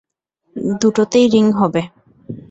দুটোতেই রিং হবে।